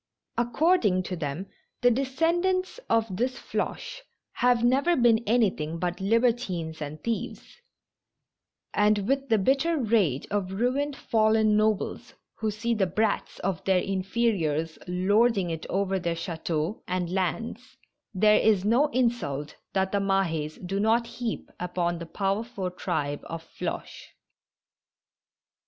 According to them, the descendants of this Floche have never been anything bat libertines and thieves; and with the bitter rage of ruined, fallen nobles who see the brats of their inferiors lording it over their chateaux and lands, there is no insult that the Mahds do not heap upon the powerful tribe of Floche.